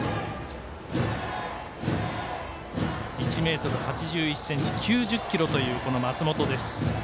１ｍ８１ｃｍ、９０ｋｇという松本。